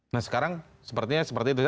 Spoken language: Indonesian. nah sekarang sepertinya seperti itu ya